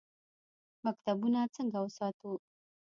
مکتبونه څنګه وساتو؟